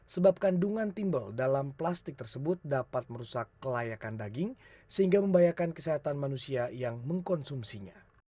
sebab kandungan timbul dalam plastik tersebut dapat merusak kelayakan daging sehingga membahayakan kesehatan manusia yang mengkonsumsinya